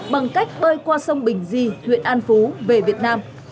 bằng cách bơi qua sông bình di huyện an phú về việt nam